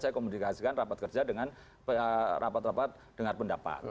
saya komunikasikan rapat kerja dengan rapat rapat dengar pendapat